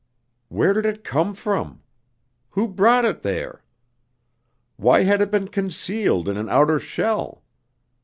Where did it come from? Who brought it there? Why had it been concealed in an outer shell?